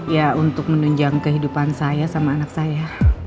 ya untuk menunjang kehidupan saya sama anak saya